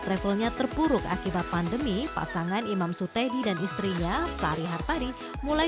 travelnya terpuruk akibat pandemi pasangan imam sutedi dan istrinya sari hartari mulai